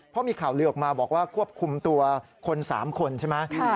เพราะมีข่าวลือออกมาบอกว่าควบคุมตัวคน๓คนใช่ไหม